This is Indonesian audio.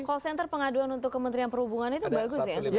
call center pengaduan untuk kementerian perhubungan itu bagus ya